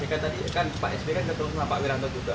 pak jk tadi kan pak sby kan ketemu pak wiranto juga